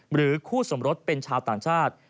หรือคู่สมรสเป็นชาวต่างชาติ